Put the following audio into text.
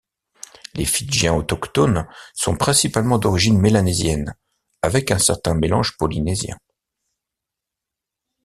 Les Fidjiens autochtones sont principalement d'origine mélanésienne, avec un certain mélange polynésien.